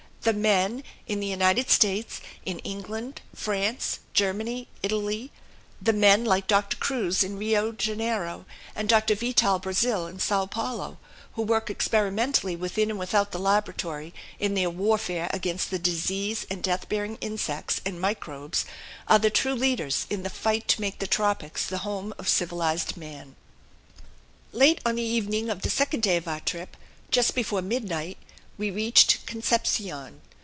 The men, in the United States, in England, France, Germany, Italy the men like Doctor Cruz in Rio Janeiro and Doctor Vital Brazil in Sao Paulo who work experimentally within and without the laboratory in their warfare against the disease and death bearing insects and microbes, are the true leaders in the fight to make the tropics the home of civilized man. Late on the evening of the second day of our trip, just before midnight, we reached Concepcion.